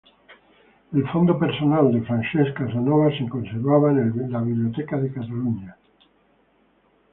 El fondo personal de Francesc Casanovas se conserva en la Biblioteca de Cataluña.